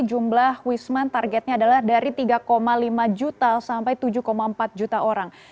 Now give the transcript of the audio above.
jumlah wisman targetnya adalah dari tiga lima juta sampai tujuh empat juta orang